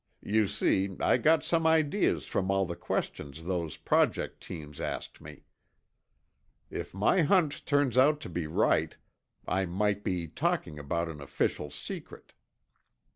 You see, I got some ideas from all the questions those Project teams asked me. If my hunch turns out to be right, I might be talking about an official secret."